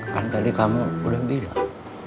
kan tadi kamu boleh bilang